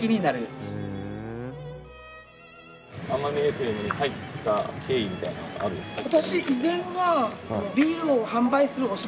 エフエムに入った経緯みたいなのってあるんですか？